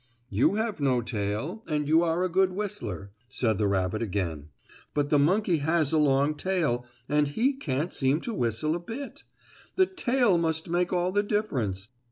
"You have no tail, and you are a good whistler," said the rabbit again, "but the monkey has a long tail, and he can't seem to whistle a bit. The tail must make all the difference.